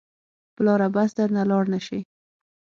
پلاره بس درنه لاړ نه شې.